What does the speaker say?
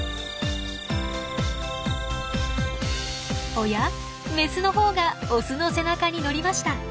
おやメスのほうがオスの背中に乗りました。